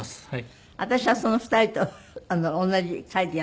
私はその２人と同じ会でやっているんです。